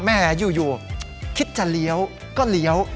แม่อยู่คิดจะเลี้ยวก็เลี้ยว